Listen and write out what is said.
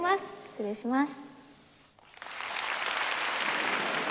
失礼します。